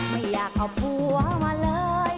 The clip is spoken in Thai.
ไม่อยากเอาผัวมาเลย